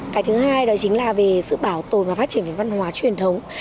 cái thứ hai đó chính là về sự bảo tồn và phát triển về văn hóa truyền thống